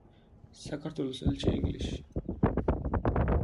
საქართველოს ელჩი ინგლისში.